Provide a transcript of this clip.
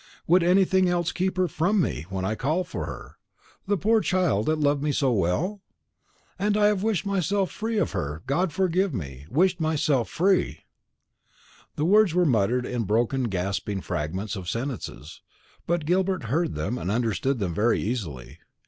Would anything else keep her from me when I call for her, the poor child that loved me so well? And I have wished myself free of her God forgive me! wished myself free." The words were muttered in broken gasping fragments of sentences; but Gilbert heard them and understood them very easily.